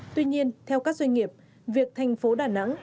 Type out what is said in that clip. tuy nhiên theo các doanh nghiệp việc thành phố đà nẵng